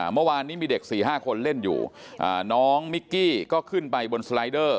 เมื่อวานนี้มีเด็ก๔๕คนเล่นอยู่น้องมิกกี้ก็ขึ้นไปบนสไลเดอร์